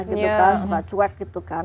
suka cuek gitu kan